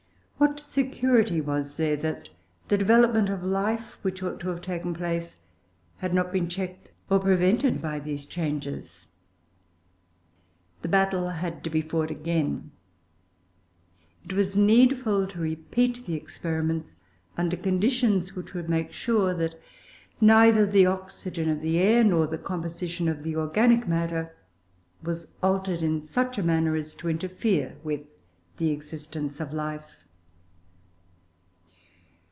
What security was there that the development of life which ought to have taken place had not been checked or prevented by these changes? The battle had to be fought again. It was needful to repeat the experiments under conditions which would make sure that neither the oxygen of the air, nor the composition of the organic matter, was altered in such a manner as to interfere with the existence of life.